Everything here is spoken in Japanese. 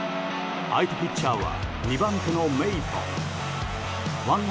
相手ピッチャーは２番手のメイトン。